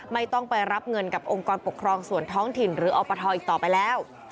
ไม่ต้องไปรับเงินกับองค์กรปกครองส่วนท้องถิ่นหรืออปทอีกต่อไปแล้ว